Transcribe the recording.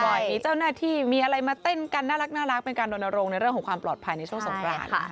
มีเจ้าหน้าที่มีอะไรมาเต้นกันน่ารักเป็นการโดนโรงในเรื่องของความปลอดภัยในช่วงสงกราน